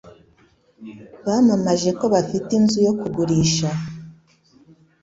Bamamaje ko bafite inzu yo kugurisha.